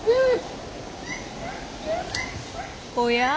おや？